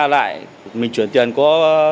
lại mình chuyển tiền có